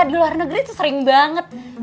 di luar negeri tuh sering banget